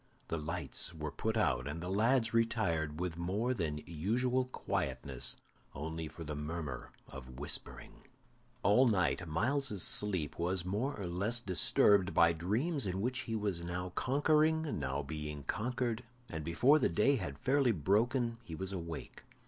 The lights were put out, and the lads retired with more than usual quietness, only for the murmur of whispering. All night Myles's sleep was more or less disturbed by dreams in which he was now conquering, now being conquered, and before the day had fairly broken he was awake.